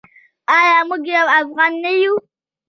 آیا موږ یو افغان نه یو؟